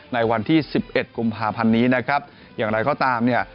ในวันที่สิบเอ็ดกุมภาพันธ์นี้นะครับอย่างไรก็ตามเนี่ย